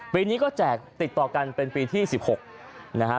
ปีนี้ก็แจกติดต่อกันเป็นปีที่๑๖นะฮะ